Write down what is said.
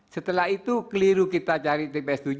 setelah itu keliru kita cari tps tujuh